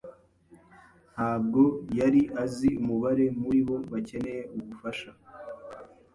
Ntabwo yari azi umubare muri bo bakeneye ubufasha.